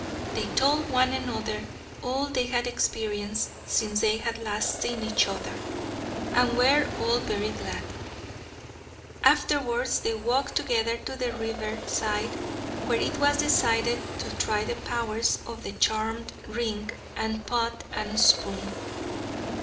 They told one another all they had experienced since they had last seen each other, and were all very glad. Afterwards they walked together to the river side, where it was decided to try the powers of the charmed ring and pot and spoon.